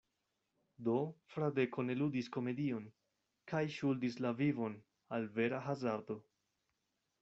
Do Fradeko ne ludis komedion, kaj ŝuldis la vivon al vera hazardo.